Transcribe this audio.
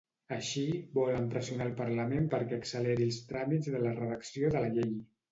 Així volen pressionar al Parlament perquè acceleri els tràmits de redacció de la llei.